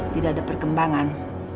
tidak ada perkembangan